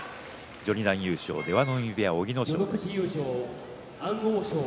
序二段優勝出羽海部屋の小城ノ正です。